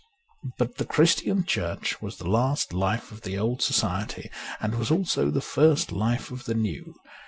But the Christian Church was the last life of the old society and was also the first life of the new.